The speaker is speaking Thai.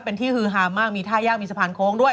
เป็นที่ฮือฮามากมีท่ายากมีสะพานโค้งด้วย